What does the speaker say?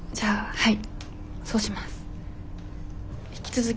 はい。